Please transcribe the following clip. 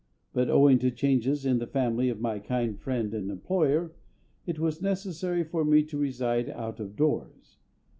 But owing to changes in the family of my kind friend and employer, it was necessary for me to reside out of doors.